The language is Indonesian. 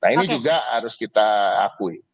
nah ini juga harus kita akui